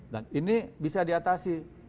dan ini bisa diatasi